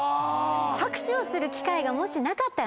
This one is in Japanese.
拍手をする機会がもしなかったら。